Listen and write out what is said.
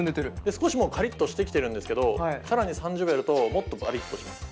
少しカリッとしてきているんですけど更に３０秒やるともっとバリッとします。